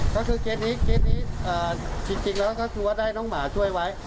ก็คือเคสนี้เคสนี้จริงแล้วก็คือว่าได้น้องหมาช่วยไว้